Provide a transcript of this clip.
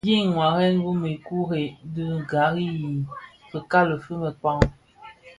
Nyi waren bi měkure dhi gari yi fikali fi měkpa.